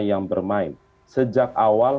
yang bermain sejak awal